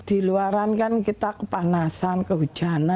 di luar terasa kepanasan dan hujan